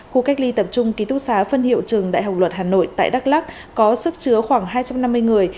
khu cách ly tập trung ký túc xá phân hiệu trường đại học luật hà nội tại đắk lắc có sức chứa khoảng hai trăm năm mươi người